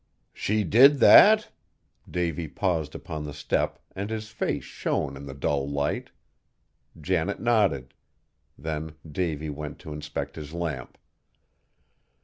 "She did that?" Davy paused upon the step and his face shone in the dull light. Janet nodded. Then Davy went to inspect his lamp.